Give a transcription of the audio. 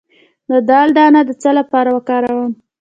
د دال دانه د څه لپاره وکاروم؟